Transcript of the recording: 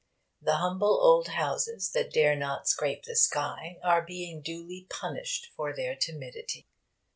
The humble old houses that dare not scrape the sky are being duly punished for their timidity.